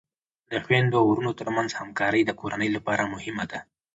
د خویندو او ورونو ترمنځ همکاری د کورنۍ لپاره مهمه ده.